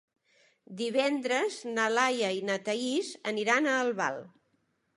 Divendres na Laia i na Thaís aniran a Albal.